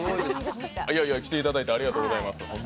来ていただいてありがとうございます。